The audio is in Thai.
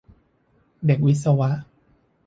เด็กวิศวะ